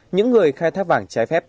những người khai thác vàng trái phép